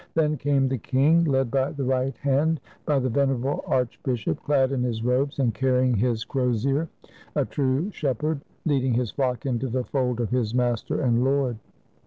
Then came the king, led by the right hand by the venerable arch bishop, clad in his robes and carrying his crozier, a true shepherd, leading his flock into the fold of his Master and Lord.